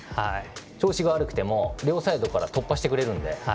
調子が悪くても両サイドから突破してくれるので。